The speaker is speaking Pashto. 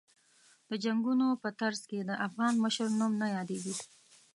د جنګونو په ترڅ کې د افغان مشر نوم نه یادېږي.